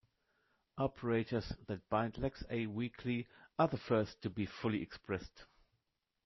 Operators that bind LexA weakly are the first to be fully expressed.